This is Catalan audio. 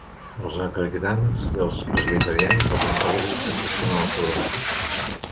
Els anglicans i els presbiterians, al contrari, s'acosten a la Corona.